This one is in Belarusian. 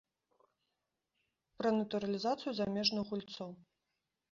Пра натуралізацыю замежных гульцоў.